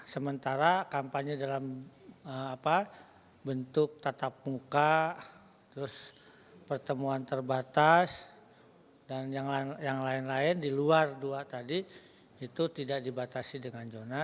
sementara kampanye dalam bentuk tatap muka terus pertemuan terbatas dan yang lain lain di luar dua tadi itu tidak dibatasi dengan zona